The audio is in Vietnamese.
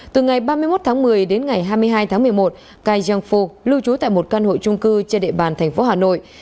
từ ngày ba mươi một tháng một mươi đến ngày hai mươi hai tháng một mươi một kaing fo lưu trú tại một căn hội trung cư trên địa bàn thành phố hà nội